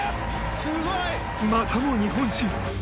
またも日本新！